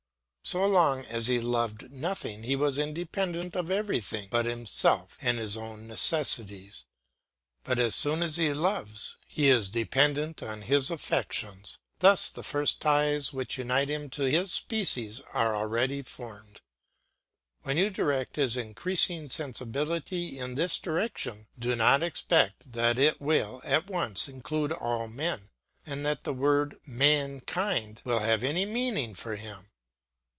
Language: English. So long as he loved nothing, he was independent of everything but himself and his own necessities; as soon as he loves, he is dependent on his affections. Thus the first ties which unite him to his species are already formed. When you direct his increasing sensibility in this direction, do not expect that it will at once include all men, and that the word "mankind" will have any meaning for him.